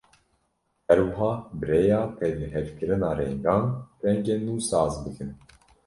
Her wiha bi rêya tevlihevkirina rengan, rengên nû saz bikin.